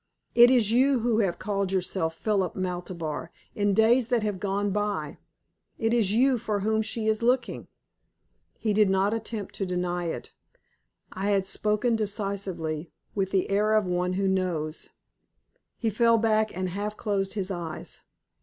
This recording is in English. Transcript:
"It is you who have called yourself Philip Maltabar in days that have gone by. It is you for whom she is looking." He did not attempt to deny it. I had spoken decisively, with the air of one who knows. He fell back and half closed his eyes.